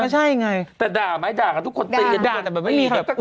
แต่ด่ามั้ยด่ากันทุกคนตีกัน